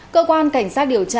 cơ quan cảnh sát điều trị